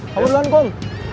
kamu duluan kum